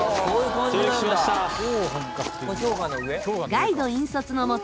ガイド引率のもと